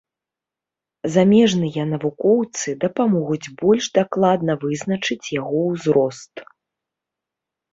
Замежныя навукоўцы дапамогуць больш дакладна вызначыць яго ўзрост.